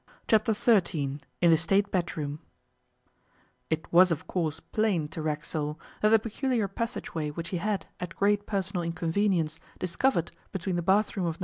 Chapter Thirteen IN THE STATE BEDROOM IT was of course plain to Racksole that the peculiar passageway which he had, at great personal inconvenience, discovered between the bathroom of No.